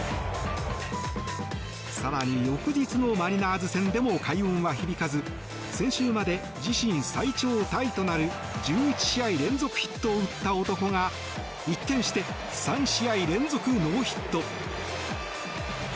更に、翌日のマリナーズ戦でも快音は響かず先週まで自身最長タイとなる１１試合連続でヒットを打った男が、一転して３試合連続ノーヒット。